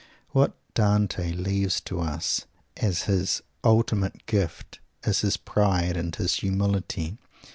_ What Dante leaves to us as his ultimate gift is his pride and his humility.